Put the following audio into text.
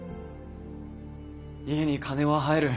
家に金は入る。